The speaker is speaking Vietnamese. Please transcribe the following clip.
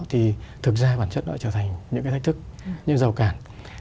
thì thực ra bản chất nó trở thành những cái thách thức như giàu cản